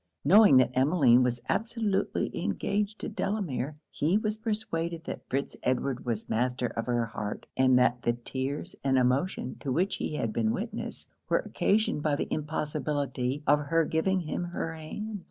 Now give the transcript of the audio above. Knowing that Emmeline was absolutely engaged to Delamere, he was persuaded that Fitz Edward was master of her heart; and that the tears and emotion to which he had been witness, were occasioned by the impossibility of her giving him her hand.